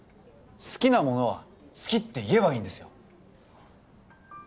好きなものは好きって言えばいいんですよ。